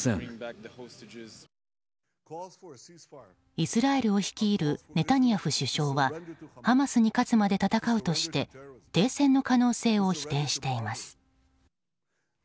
イスラエルを率いるネタニヤフ首相はハマスに勝つまで戦うとして停戦の可能性を否定しています。